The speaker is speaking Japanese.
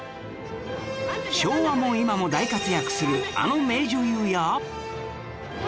昭和も今も大活躍するあの名女優や